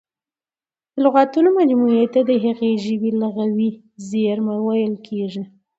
د لغاتونو مجموعې ته د هغې ژبي لغوي زېرمه ویل کیږي.